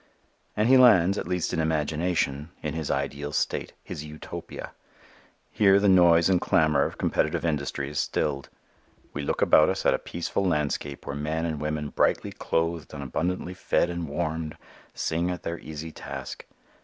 And he lands, at least in imagination, in his ideal state, his Utopia. Here the noise and clamor of competitive industry is stilled. We look about us at a peaceful landscape where men and women brightly clothed and abundantly fed and warmed, sing at their easy task.